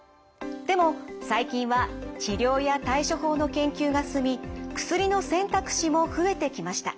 でも最近は治療や対処法の研究が進み薬の選択肢も増えてきました。